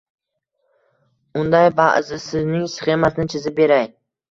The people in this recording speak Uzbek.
Undan ba’zisining sxemasini chizib beray.